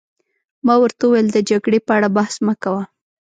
ما ورته وویل: د جګړې په اړه بحث مه کوه.